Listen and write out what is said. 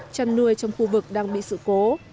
chăn nuôi trong khu vực đang bị sự cố